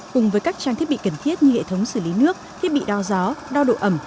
cùng với các trang thiết bị cần thiết như hệ thống xử lý nước thiết bị đo gió đo độ ẩm